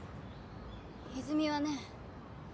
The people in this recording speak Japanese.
泉はね